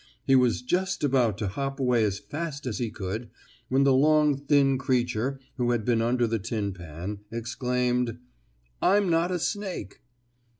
He was just about to hop away as fast as he could when the long, thin creature, who had been under the tin pan, exclaimed: "I'm not a snake."